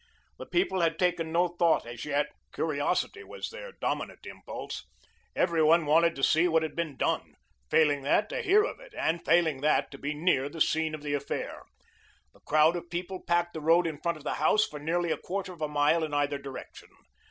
The people had taken no thought as yet. Curiosity was their dominant impulse. Every one wanted to see what had been done; failing that, to hear of it, and failing that, to be near the scene of the affair. The crowd of people packed the road in front of the house for nearly a quarter of a mile in either direction.